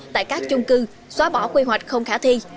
tại các chung cư xóa bỏ quy hoạch không khả thi